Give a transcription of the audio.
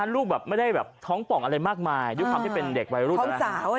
ลูกแบบไม่ได้แบบท้องป่องอะไรมากมายด้วยความที่เป็นเด็กวัยรุ่นนะ